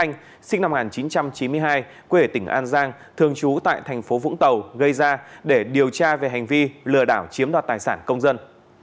anh sinh năm một nghìn chín trăm chín mươi hai quê tỉnh an giang thường trú tại tp vũng tàu gây ra để điều tra về hành vi lừa đảo chiếm đo tài sản công dân